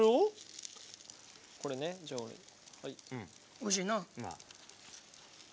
おいしいなぁ。